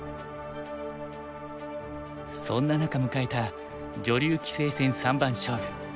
そんな中迎えた女流棋聖戦三番勝負。